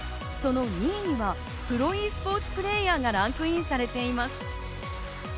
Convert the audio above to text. その２位にはプロｅスポーツプレーヤーがランクインされています。